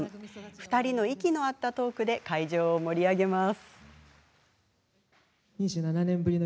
２人の息の合ったトークで会場を盛り上げます。